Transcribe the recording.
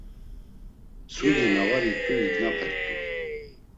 Mtsudi na var it̆uy ignapert̆u.